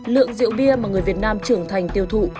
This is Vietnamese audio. lượng rượu bia mà người việt nam trưởng thành tiêu thụ